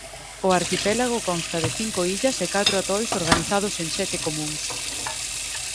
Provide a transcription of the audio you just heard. O arquipélago consta de cinco illas e catro atois organizados en sete comúns.